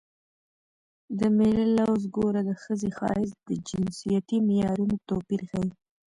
د مېړه لوز ګوره د ښځې ښایست د جنسیتي معیارونو توپیر ښيي